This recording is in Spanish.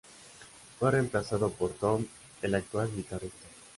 Fue reemplazado por Tom, el actual guitarrista.